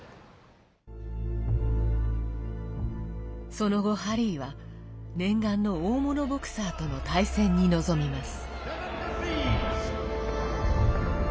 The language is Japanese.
その後、ハリーは念願の大物ボクサーとの対戦に臨みます。